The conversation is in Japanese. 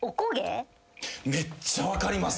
めっちゃ分かります。